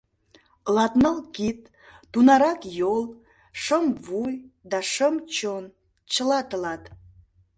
— Латныл кид, тунарак йол, шым вуй да шым чон — чыла тылат!